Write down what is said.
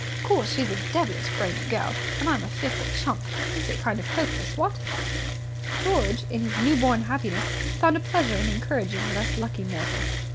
Of course, she's a devilish brainy girl, and I'm a fearful chump. Makes it kind of hopeless, what?" George, in his new born happiness, found a pleasure in encouraging a less lucky mortal.